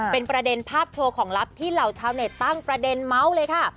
เป็นประเด็นภาพโชว์ของลับที่เหล่าชาวเน็ตตั้งประเด็นเมาส์เลยค่ะ